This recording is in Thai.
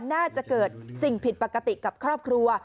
น่าจะเกิดสิ่งผิดปกติกับครอบครัว